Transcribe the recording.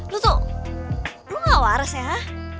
lo tuh lo gak waras ya